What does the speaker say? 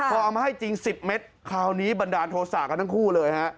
พอเอามาให้จริง๑๐เมตรคราวนี้บันดาลโทษะกันทั้งคู่เลยฮะ